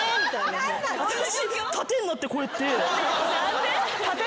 私盾になってこうやって。